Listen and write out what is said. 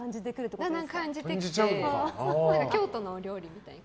だんだん感じてきて京都のお料理みたいな。